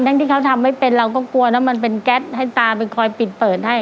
ที่เขาทำไม่เป็นเราก็กลัวนะมันเป็นแก๊สให้ตาไปคอยปิดเปิดให้